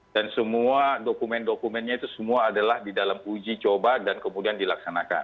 dan semua dokumen dokumennya itu semua adalah di dalam uji coba dan kemudian dilaksanakan